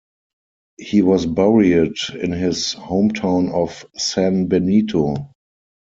He was buried in his hometown of San Benito.